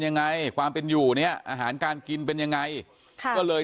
ยังไงความเป็นอยู่เนี่ยอาหารการกินเป็นยังไงค่ะก็เลย